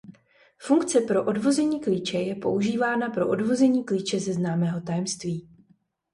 Funkce pro odvození klíče je používána pro odvození klíče ze známého tajemství.